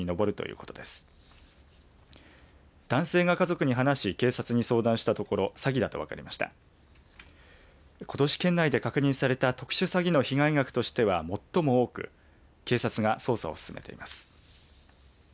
ことし県内で確認された特殊詐欺の被害額としては最も多く警察が捜査を進めています。